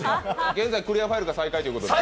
現在クリアファイルが最下位ということで。